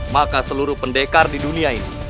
maka seluruh pendekar di dunia ini